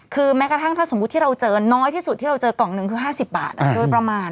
คือแม้กระทั่งถ้าสมมุติที่เราเจอน้อยที่สุดที่เราเจอกล่องหนึ่งคือ๕๐บาทโดยประมาณ